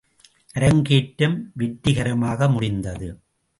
அரங்கேற்றம் வெற்றிகரமாக முடிந்தது.